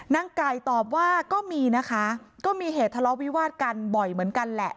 นางไก่ตอบว่าก็มีนะคะก็มีเหตุทะเลาะวิวาดกันบ่อยเหมือนกันแหละ